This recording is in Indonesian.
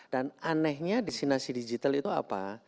dan anehnya destinasi digital itu apa